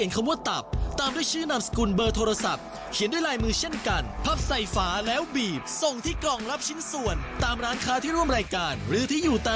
อยากได้ไหมคะอยากได้ไหมคะอยากได้ถ้าอย่างงั้นไปดูกติกากันเลยค่ะ